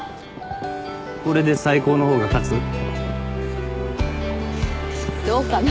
これで最高の方が勝つ？どうかな。